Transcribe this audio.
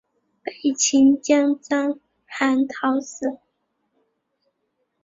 被秦将章邯讨死。